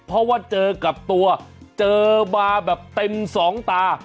เพราะว่าเจอกับตัวเจอมาแบบเต็มสองตา